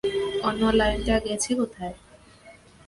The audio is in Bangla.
অন্য লাইনটা গেছে কোথায়?